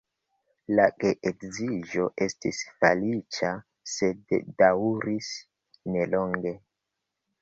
La geedziĝo estis feliĉa, sed daŭris nelonge.